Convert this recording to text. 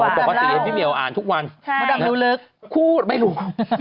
บ้างดีกว่าอ๋อปกติให้พี่เหมียวอ่านทุกวันใช่มันต้องรู้ลึกคู่ไม่รู้